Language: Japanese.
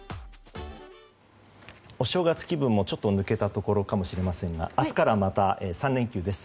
お正月気分も、ちょっと抜けたところかもしれませんが明日からまた３連休です。